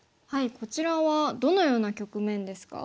こちらはどのような局面ですか？